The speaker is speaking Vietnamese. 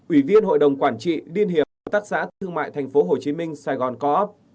ủy viên hội đồng quản trị điên hiệp tắt xã thương mại tp hcm sài gòn co op